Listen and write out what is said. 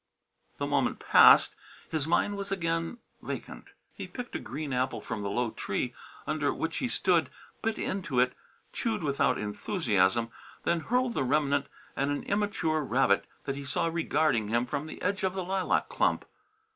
The moment passed; his mind was again vacant. He picked a green apple from the low tree under which he stood, bit into it, chewed without enthusiasm, then hurled the remnant at an immature rabbit that he saw regarding him from the edge of the lilac clump.